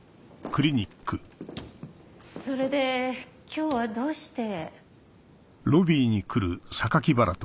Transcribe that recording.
それで今日はどうして？